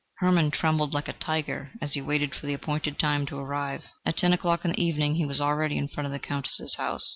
Hermann trembled like a tiger, as he waited for the appointed time to arrive. At ten o'clock in the evening he was already in front of the Countess's house.